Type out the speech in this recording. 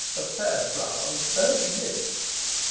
A fair flower, and early nipped."